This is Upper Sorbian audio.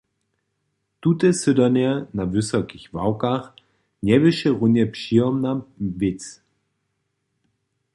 Tute sydanje na wysokich ławkach njeběše runje přijomna wěc.